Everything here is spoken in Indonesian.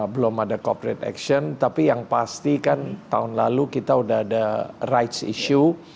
belum ada corporate action tapi yang pasti kan tahun lalu kita sudah ada rights issue